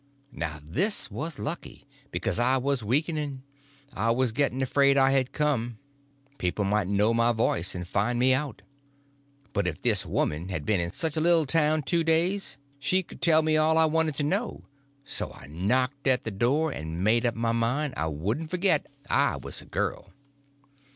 Now this was lucky, because I was weakening; I was getting afraid I had come; people might know my voice and find me out. But if this woman had been in such a little town two days she could tell me all I wanted to know; so I knocked at the door, and made up my mind I wouldn't forget I was a girl.